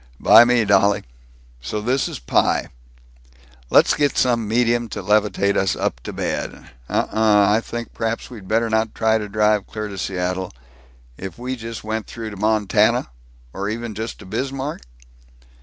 "By me, dolly. So is this pie. Let's get some medium to levitate us up to bed. Uh uh I think perhaps we'd better not try to drive clear to Seattle. If we just went through to Montana? or even just to Bismarck?"